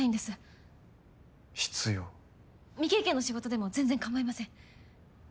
未経験の仕事でも全然かまいません。